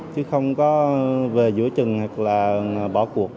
chứ không có về giữa chừng hoặc là bỏ cuộc